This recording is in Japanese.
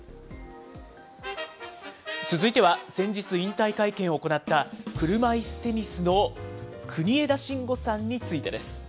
続いては先日、引退会見を行った車いすテニスの国枝慎吾さんについてです。